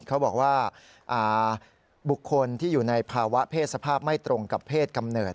เขาบอกว่าบุคคลที่อยู่ในภาวะเพศสภาพไม่ตรงกับเพศกำเนิด